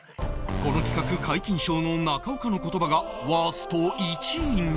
この企画皆勤賞の中岡の言葉がワースト１位に